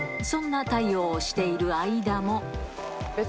そんな対応をしている間も。